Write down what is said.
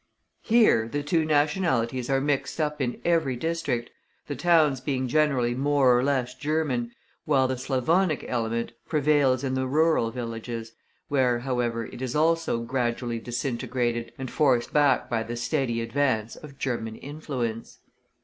Here the two nationalities are mixed up in every district, the towns being generally more or less German, while the Slavonic element prevails in the rural villages, where, however, it is also gradually disintegrated and forced back by the steady advance of German influence.